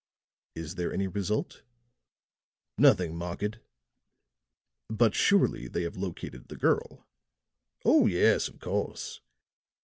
"Is there any result?" "Nothing marked." "But surely they have located the girl?" "Oh, yes, of course.